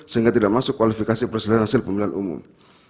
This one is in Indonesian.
sehingga tidak masuk kualifikasi presiden hasil pemilihan umum